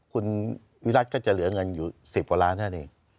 คุณวิรัติก็จะเหลือเงินอยู่๑๐กว่าล้านแค่นี้